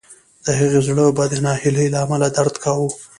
د هغې زړه به د ناهیلۍ له امله درد کاوه